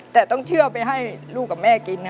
แต่ต้องเชื่อไปให้ลูกกับแม่กิน